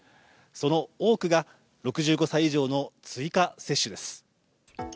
その多くが６５歳以上の追加接種です。